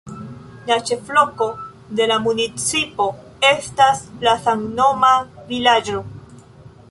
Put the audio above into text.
Ĉefloko de la municipo estas la samnoma vilaĝo.